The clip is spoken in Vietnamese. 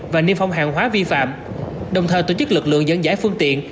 và niêm phong hàng hóa vi phạm đồng thời tổ chức lực lượng dẫn giải phương tiện